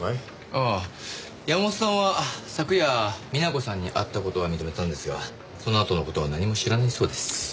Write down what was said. ああ山本さんは昨夜美奈子さんに会った事は認めたんですがそのあとの事は何も知らないそうです。